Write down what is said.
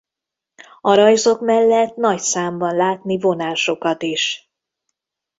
A rajzok mellett nagy számban látni vonásokat is.